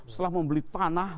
setelah membeli tanah